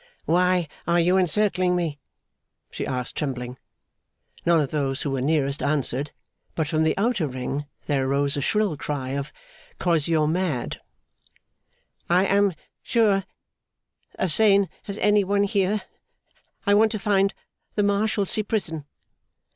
'Why are you encircling me?' she asked, trembling. None of those who were nearest answered; but from the outer ring there arose a shrill cry of ''Cause you're mad!' 'I am sure as sane as any one here. I want to find the Marshalsea prison.